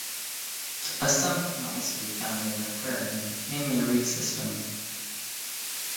A sump can also be found in an aquarium, mainly a reef system.